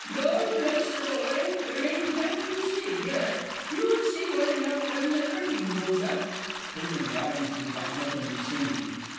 Lor' bless the boy! there ain't nothen to see yet; you'll see well enough when the Curting goes up. (_Curtain rises on opening scene.